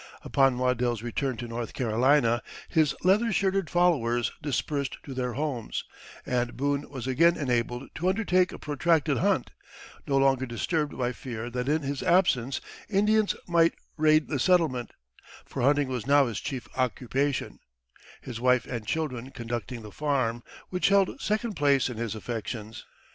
Upon Waddell's return to North Carolina his leather shirted followers dispersed to their homes, and Boone was again enabled to undertake a protracted hunt, no longer disturbed by fear that in his absence Indians might raid the settlement; for hunting was now his chief occupation, his wife and children conducting the farm, which held second place in his affections.